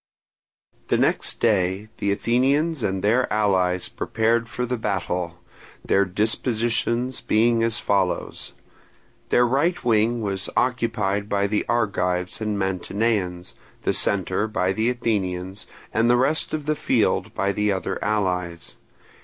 The next day the Athenians and their allies prepared for battle, their dispositions being as follows: Their right wing was occupied by the Argives and Mantineans, the centre by the Athenians, and the rest of the field by the other allies.